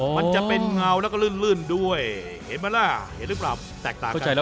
มันจะเป็นเงาและก็ลื่นด้วยเห็นไหมนะแตกต่างกัน